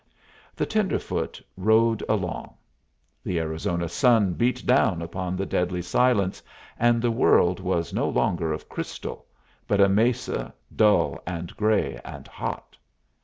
The tenderfoot rode along. The Arizona sun beat down upon the deadly silence, and the world was no longer of crystal, but a mesa, dull and gray and hot.